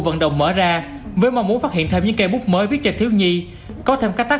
vận động mở ra với mong muốn phát hiện thêm những cây bút mới viết cho thiếu nhi có thêm các tác